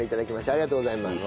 ありがとうございます。